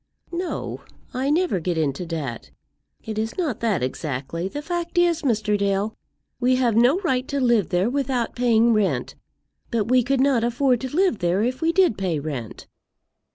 "No; I never get into debt. It is not that, exactly. The fact is, Mr. Dale, we have no right to live there without paying rent; but we could not afford to live there if we did pay rent."